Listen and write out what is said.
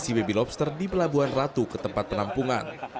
kondisi baby lobster di pelabuhan ratu ke tempat penampungan